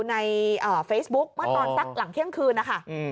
ในเฟซบุ๊กเมื่อตอนสักหลังเที่ยงคืนนะคะ